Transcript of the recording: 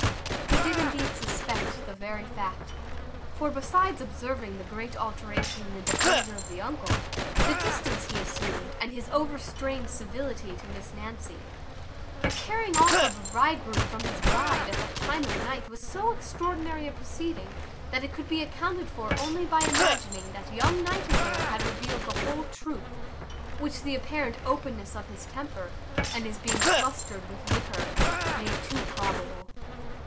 He did indeed suspect the very fact; for, besides observing the great alteration in the behaviour of the uncle, the distance he assumed, and his overstrained civility to Miss Nancy; the carrying off a bridegroom from his bride at that time of night was so extraordinary a proceeding that it could be accounted for only by imagining that young Nightingale had revealed the whole truth, which the apparent openness of his temper, and his being flustered with liquor, made too probable.